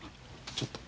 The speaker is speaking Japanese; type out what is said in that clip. ちょっと。